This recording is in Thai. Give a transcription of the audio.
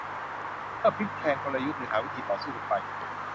เพื่อพลิกแพลงกลยุทธ์ หรือหาวิธีต่อสู้กันไป